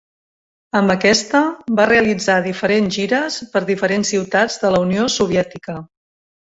Amb aquesta va realitzar diferents gires per diferents ciutats de la Unió Soviètica.